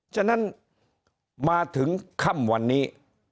ฉะนั้นมาถึงค่ำวันนี้